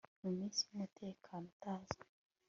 Munsi yumutekano utazwi